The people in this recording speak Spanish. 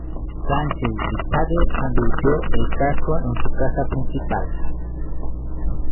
Sánchez de Tagle convirtió el casco en su casa principal.